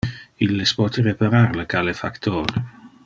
Illes pote reparar le calefactor.